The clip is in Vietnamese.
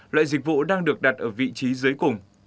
bộ đang được đặt ở vị trí dưới cùng